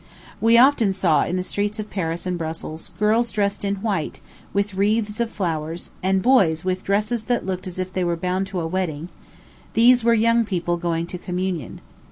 We often saw in the streets of Paris and Brussels girls dressed in white, with wreaths of flowers, and boys, with dresses that looked as if they were bound to a wedding; these were young people going to communion.